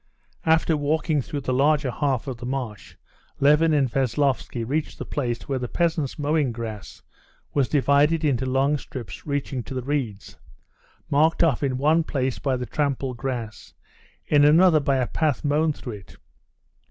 After walking through the larger half of the marsh, Levin and Veslovsky reached the place where the peasants' mowing grass was divided into long strips reaching to the reeds, marked off in one place by the trampled grass, in another by a path mown through it.